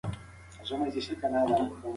موږ باید د بې پرېتوب اصل وساتو.